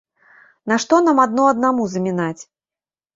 Нашто нам адно аднаму замінаць?